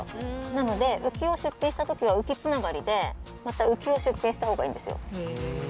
なので、浮きを出品したときは浮きつながりで、また浮きを出品したほうがいいんですよ。